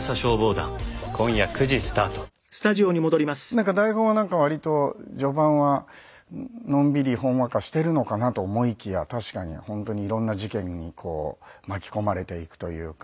なんか台本は割と序盤はのんびりほんわかしているのかなと思いきや確かに本当に色んな事件に巻き込まれていくというか。